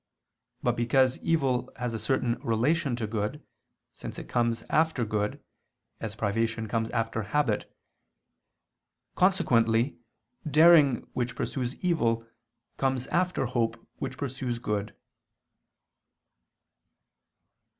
But because evil has a certain relation to good, since it comes after good, as privation comes after habit; consequently daring which pursues evil, comes after hope which pursues good.